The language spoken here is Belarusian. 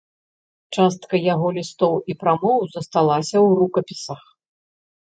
Частка яго лістоў і прамоваў засталася ў рукапісах.